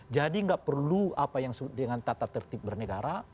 jadi gak perlu apa yang disebut dengan tata tertib bernegara